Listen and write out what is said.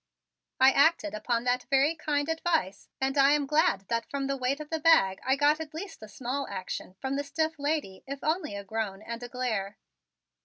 I acted upon that very kind advice and I am glad that from the weight of the bag I got at least a small action from the stiff lady if only a groan and a glare.